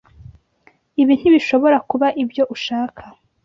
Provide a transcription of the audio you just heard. Ibi ntibishobora kuba ibyo ushaka.